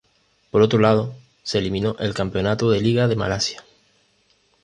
Por otro lado, se eliminó el campeonato de liga de Malasia.